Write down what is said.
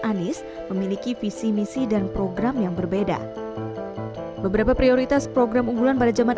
anies memiliki visi misi dan program yang berbeda beberapa prioritas program unggulan pada zaman